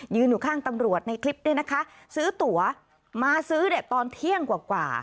อยู่ข้างตำรวจในคลิปด้วยนะคะซื้อตัวมาซื้อเนี่ยตอนเที่ยงกว่า